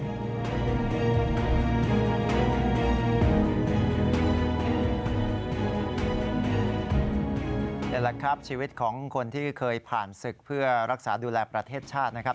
นี่แหละครับชีวิตของคนที่เคยผ่านศึกเพื่อรักษาดูแลประเทศชาตินะครับ